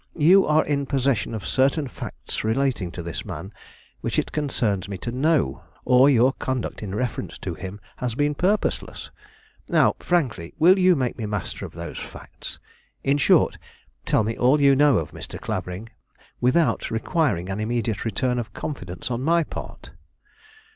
You are in possession of certain facts relating to this man which it concerns me to know, or your conduct in reference to him has been purposeless. Now, frankly, will you make me master of those facts: in short, tell me all you know of Mr. Clavering, without requiring an immediate return of confidence on my part?"